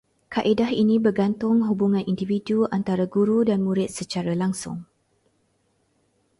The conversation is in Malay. Kaedah ini bergantung hubungan individu antara guru dan murid secara langsung